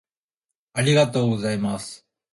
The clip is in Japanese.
ありがとうございます。